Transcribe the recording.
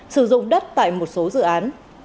sử dụng đất tại một số dự án